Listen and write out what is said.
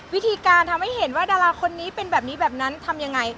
วิธีการทำให้เห็นว่าดาราคนนี้เป็นแบบนี้แบบนั้นทำยังไง